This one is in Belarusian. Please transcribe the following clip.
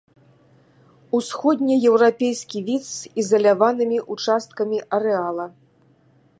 Усходне-еўрапейскі від з ізаляванымі ўчасткамі арэала.